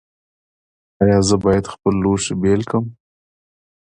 ایا زه باید خپل لوښي بیل کړم؟